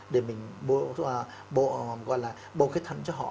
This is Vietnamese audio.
để mình bổ cái thận cho họ